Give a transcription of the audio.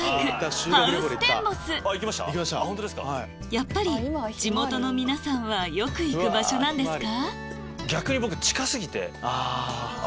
やっぱり地元の皆さんはよく行く場所なんですか？